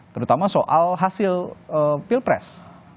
terutama soal hasil pilpres